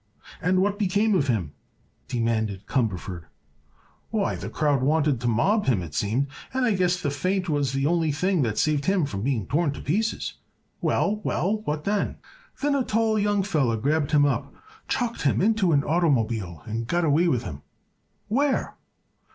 "And what became of him?" demanded Cumberford. "Why, the crowd wanted to mob him, it seemed, and I guess that faint was the only thing that saved him from being torn to pieces." "Well—well! What then?" "Then a tall young fellow grabbed him up, chucked him into an automobile and got away with him." "Where?"